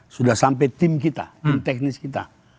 sudah sampai tim kita tim teknis kita